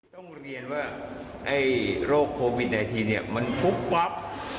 ต้องเรียนว่าโรคโควิดในทีมันปุ๊บปั๊บ